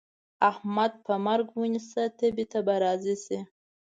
احمد په مرګ ونيسه؛ تبې ته به راضي شي.